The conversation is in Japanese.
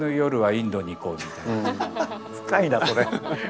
深いなそれ。